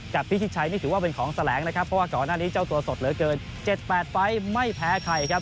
พิชิตชัยนี่ถือว่าเป็นของแสลงนะครับเพราะว่าก่อนหน้านี้เจ้าตัวสดเหลือเกิน๗๘ไฟล์ไม่แพ้ใครครับ